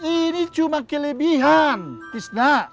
ini cuma kelebihan fisna